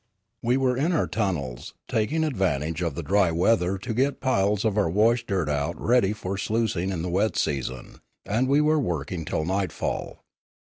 We were in our tunnels, taking advantage of the dry weather to get piles of our wash dirt out ready for sluic ing in the wet season, and were working till nightfall.